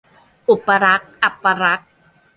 อุปลักษณ์-อัปลักษณ์